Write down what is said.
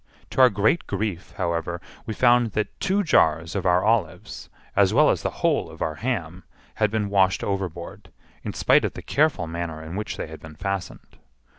To our great grief, however, we found that two jars of our olives, as well as the whole of our ham, had been washed overboard, in spite of the careful manner in which they had been fastened.